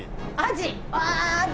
アジ。